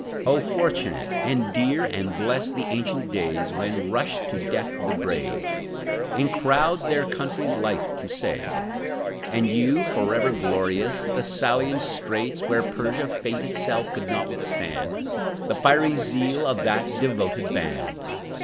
Oh fortunate and dear and blessed, The ancient days, when rushed to death the brave, In crowds, their country's life to save! And you, forever glorious, Thessalian straits, Where Persia, Fate itself, could not withstand The fiery zeal of that devoted band!